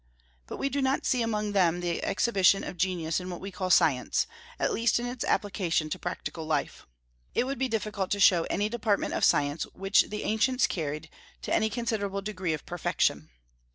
But we do not see among them the exhibition of genius in what we call science, at least in its application to practical life. It would be difficult to show any department of science which the ancients carried to any considerable degree of perfection.